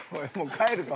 帰るぞ。